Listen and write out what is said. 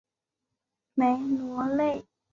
梅罗内。